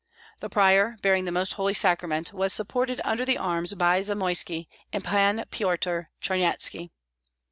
The prior, bearing the Most Holy Sacrament, was supported under the arms by Zamoyski and Pan Pyotr Charnyetski.